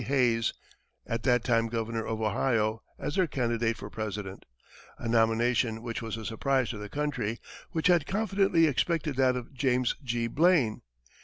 Hayes, at that time Governor of Ohio, as their candidate for President a nomination which was a surprise to the country, which had confidently expected that of James G. Blaine.